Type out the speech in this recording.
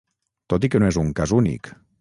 Tot i que no és un cas únic.